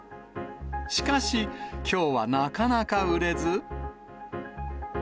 しかし、きょうはなかなか売れず。